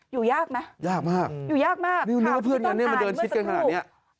อยู่ยากไหมอยู่ยากมากค่ะพี่ต้องอ่านเมื่อสักครู่นี่มันเรียกว่าเพื่อนกันมันเดินชิดกันขนาดนี้